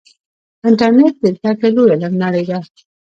انټرنیټ د زده کړې لویه نړۍ ده.